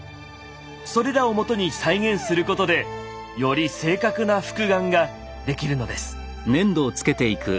それらをもとに再現することでより正確な復顔ができるのです。